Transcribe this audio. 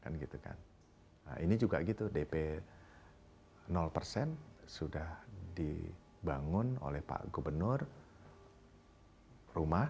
nah ini juga gitu dp persen sudah dibangun oleh pak gubernur rumah